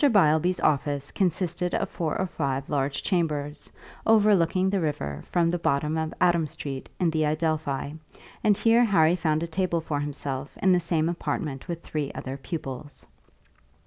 Beilby's office consisted of four or five large chambers, overlooking the river from the bottom of Adam Street in the Adelphi, and here Harry found a table for himself in the same apartment with three other pupils.